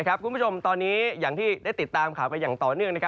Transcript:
คุณผู้ชมตอนนี้อย่างที่ได้ติดตามข่าวไปอย่างต่อเนื่อง